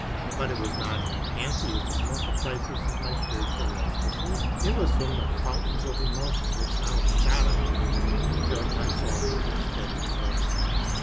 But it was not from Pantheism that the crisis of my spiritual life proceeded; it was from the fountains of emotion which now shot up and filled my soul with their steady flow.